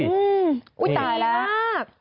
อุ้ยตายละ